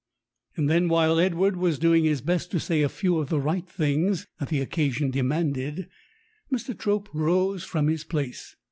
And then while Edward was doing his best to say a few of the right things that the occasion demanded, Mr. Trope rose from his place.